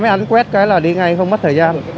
ánh quét cái là đi ngay không mất thời gian